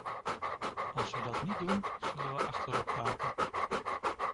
Als we dat niet doen, zullen we achterop raken.